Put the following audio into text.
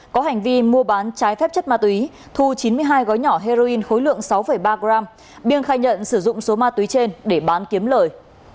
có hành vi mua bán trái phép chất ma túy thu chín mươi hai gói nhỏ heroin khối lượng sáu ba g biêng khai nhận sử dụng số ma túy trên để bán kiếm lời